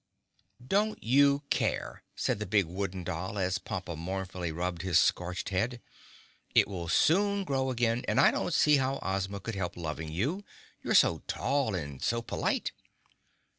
"Don't you care," said the big Wooden Doll, as Pompa mournfully rubbed his scorched head. "It will soon grow again and I don't see how Ozma could help loving you—you're so tall, and so polite."